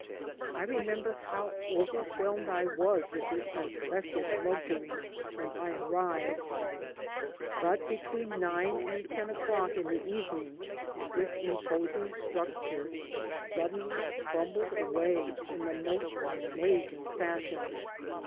I remember how overwhelmed I was with this impressive luxury when I arrived. But between nine and ten o'clock in the evening this imposing structure suddenly crumbled' away in the most amazing fashion.